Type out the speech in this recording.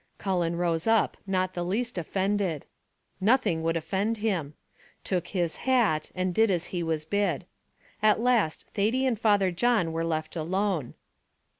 Cullen rose up, not the least offended nothing would offend him took his hat, and did as he was bid. At last Thady and Father John were left alone.